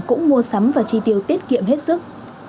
cũng mua sắm và tri tiêu tiết kiệm hết sức